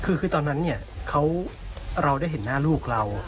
คือตอนนั้นเนี่ยเราได้เห็นหน้าลูกเรา